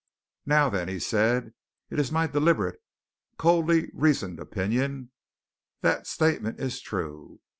"Now, then!" he said. "In my deliberate, coldly reasoned opinion, that statement is true!